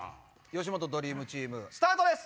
吉本ドリームチームスタートです。